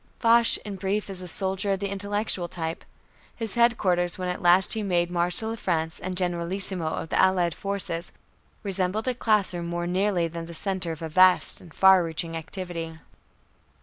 Foch, in brief, is a soldier of the intellectual type. His headquarters when at last he was made Marshal of France and Generalissimo of the Allied forces, resembled a classroom more nearly than the center of a vast and far reaching activity.